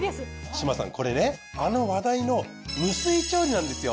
志真さんこれねあの話題の無水調理なんですよ。